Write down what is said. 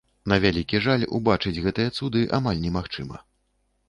На вялікі жаль, убачыць гэтыя цуды амаль немагчыма.